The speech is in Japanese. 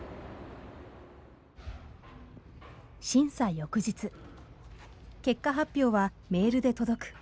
審査翌日結果発表はメールで届く。